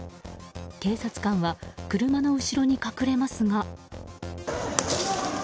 警察官は車の後ろに隠れますが。